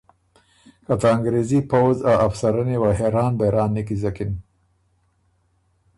که ته انګرېزي پؤځ ا افسرنی وه حېران بېران نیکیزکِن